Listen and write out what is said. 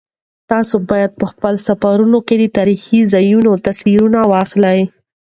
تاسو باید په خپلو سفرونو کې د تاریخي ځایونو تصویرونه واخلئ.